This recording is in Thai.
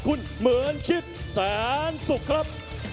คุณเหมือนคิดแสนสุขครับ